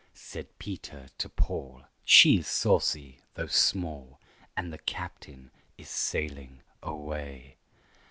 Said Peter to Paul, "She is saucy, though small, And the captain is sailing away."